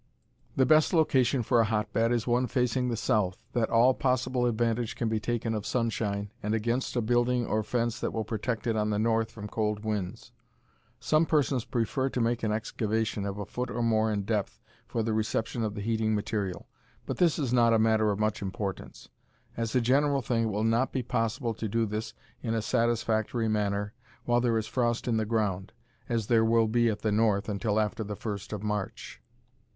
The best location for a hotbed is one facing the south, that all possible advantage can be taken of sunshine, and against a building or fence that will protect it on the north from cold winds. Some persons prefer to make an excavation a foot or more in depth for the reception of the heating material, but this is not a matter of much importance. As a general thing it will not be possible to do this in a satisfactory manner while there is frost in the ground, as there will be at the North until after the first of March.